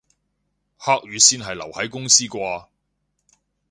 黑雨先係留喺公司啩